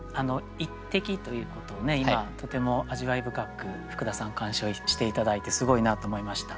「一滴」ということを今とても味わい深く福田さん鑑賞して頂いてすごいなと思いました。